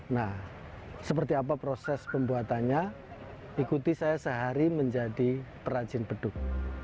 nah seperti apa proses pembuatannya ikuti saya sehari menjadi perajin beduk